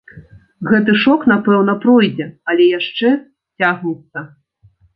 Гэты шок, напэўна, пройдзе, але яшчэ цягнецца.